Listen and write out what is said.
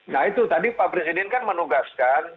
nah itu tadi pak presiden kan menugaskan